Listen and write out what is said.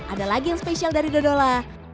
ada lagi yang spesial dari dodola